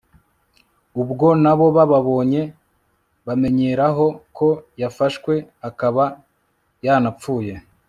ubwo na bo bababonye, bamenyeraho ko yafashwe akaba yanapfuye